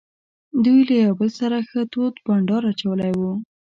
دوی یو له بل سره ښه تود بانډار اچولی وو.